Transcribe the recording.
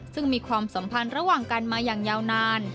ซึ่งมีความสัมพันธ์ระหว่างกันมาอย่างยาวนาน